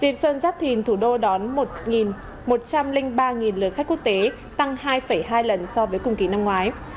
dịp xuân giáp thìn thủ đô đón một một trăm linh ba lượt khách quốc tế tăng hai hai lần so với cùng kỳ năm ngoái